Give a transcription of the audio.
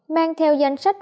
mang theo danh sách